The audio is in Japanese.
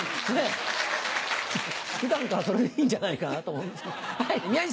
普段からそれでいいんじゃないかなと思う。